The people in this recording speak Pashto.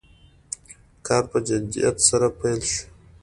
کار په جدیت سره پیل شو.